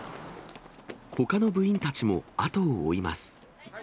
ほかの部員たちも後を追います。